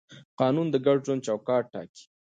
قانون د ګډ ژوند چوکاټ ټاکي.